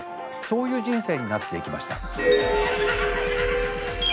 そういう人生になっていきました。